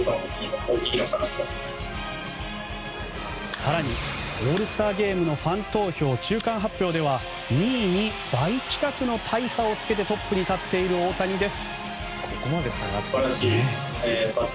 更にオールスターゲームのファン投票中間発表では２位に倍近くの大差をつけてトップに立っている大谷です。